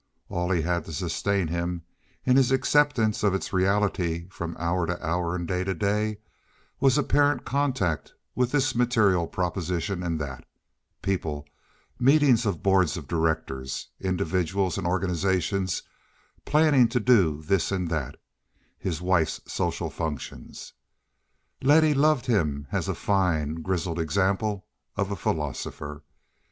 All he had to sustain him in his acceptance of its reality from hour to hour and day to day was apparent contact with this material proposition and that—people, meetings of boards of directors, individuals and organizations planning to do this and that, his wife's social functions Letty loved him as a fine, grizzled example of a philosopher.